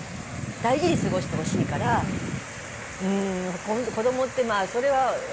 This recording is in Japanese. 大事に過ごしてほしいからうん子供ってまあそれは。